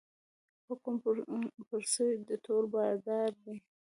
حکم پر سوی د تور بادار دی